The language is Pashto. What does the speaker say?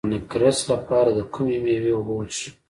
د نقرس لپاره د کومې میوې اوبه وڅښم؟